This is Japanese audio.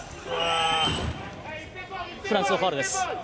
フランスのファウル。